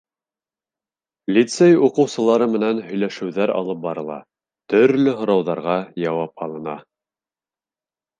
Лицей уҡыусылары менән һөйләшеүҙәр алып барыла, төрлө һорауҙарға яуап алына.